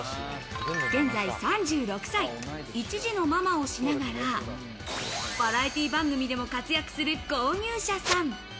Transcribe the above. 現在３６歳、一児のママをしながら、バラエティー番組でも活躍する購入者さん。